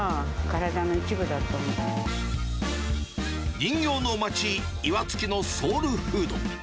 人形の町、岩槻のソウルフード。